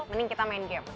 mending kita main game